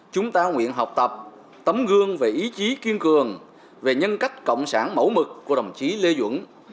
tưởng nhớ đồng chí lê duẩn chúng ta tưởng nhớ về ý chí kiên cường về nhân cách cộng sản mẫu mực của đồng chí lê duẩn